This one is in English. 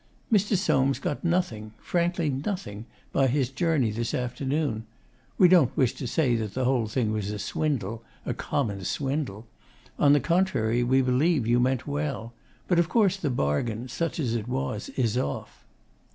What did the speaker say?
Mr. Soames got nothing frankly nothing by his journey this afternoon. We don't wish to say that the whole thing was a swindle a common swindle. On the contrary, we believe you meant well. But of course the bargain, such as it was, is off.